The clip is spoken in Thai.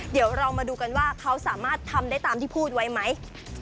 เดี๋ยวเรามาดูกันว่าเขาสามารถทำได้ตามที่พูดไว้ไหม